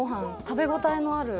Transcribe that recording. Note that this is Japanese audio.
食べ応えのある。